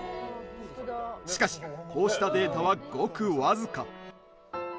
しかし、こうしたデータはごくわずか。